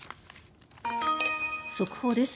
速報です。